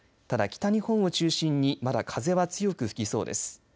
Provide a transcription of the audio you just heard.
ただ、北日本を中心にまだ風は強く吹きそうです。